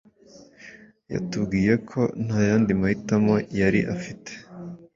yatubwiye ko nta yandi mahitamo yari afite,